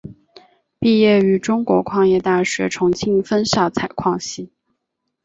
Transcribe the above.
毕业于中国矿业大学重庆分校采矿系。